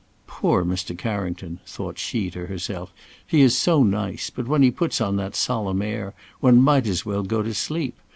"Poor Mr. Carrington!" thought she to herself, "he is so nice; but when he puts on that solemn air, one might as well go to sleep.